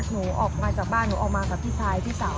หนูออกมาจากบ้านหนูออกมากับพี่ชายพี่สาว